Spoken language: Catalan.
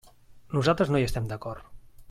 Nosaltres no hi estem d'acord.